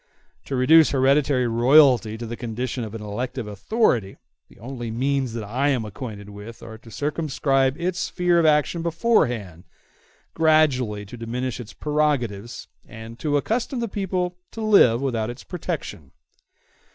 To reduce hereditary royalty to the condition of an elective authority, the only means that I am acquainted with are to circumscribe its sphere of action beforehand, gradually to diminish its prerogatives, and to accustom the people to live without its protection.